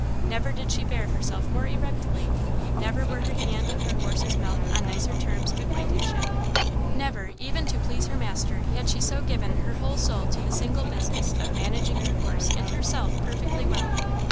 Never did she bear herself more erectly; never were her hand and her horse's mouth on nicer terms of acquaintanceship; never, even to please her master, had she so given her whole soul to the single business of managing her horse and herself perfectly well.